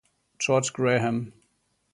George Graham